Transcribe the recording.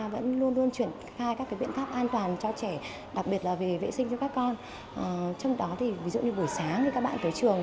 ví dụ như buổi sáng các bạn tới trường